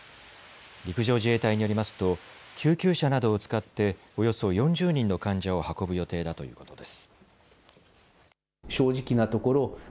陸上自衛隊によりますと救急車などを使っておよそ４０人の患者を運ぶ予定だということです。